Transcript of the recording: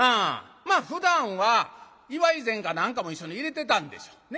ふだんは祝い膳か何かも一緒に入れてたんでしょうね。